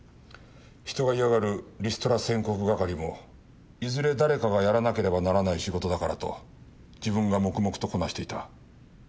人が嫌がるリストラ宣告係もいずれ誰かがやらなければならない仕事だからと自分が黙々とこなしていた。